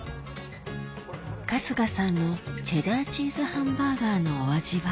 春日さんのチェダーチーズハンバーガーのお味は？